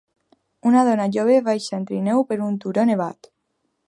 Una dona jove baixa en trineu per un turó nevat.